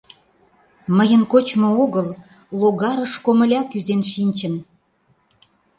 Мыйын кочмо огыл, логарыш комыля кӱзен шинчын.